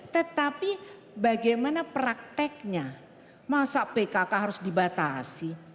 tetapi bagaimana prakteknya masa pkk harus dibatasi